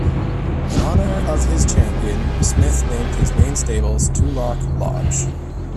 In honour of his champion, Smith named his main stables Tulloch Lodge.